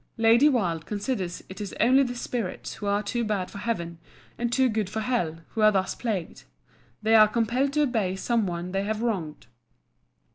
Lady Wilde considers it is only the spirits who are too bad for heaven, and too good for hell, who are thus plagued. They are compelled to obey some one they have wronged.